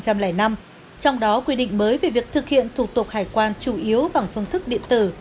trong đó quy định mới về việc thực hiện thủ tục hải quan chủ yếu bằng phương thức điện tử